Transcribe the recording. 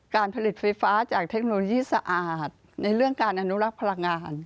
การผลิตไฟฟ้าจากเทคโนโลยีสะอาดในเรื่องการอนุรักษ์พลังงาน